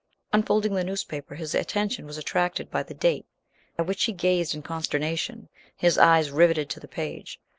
Unfolding the newspaper his attention was attracted by the date, at which he gazed in consternation, his eyes riveted to the page.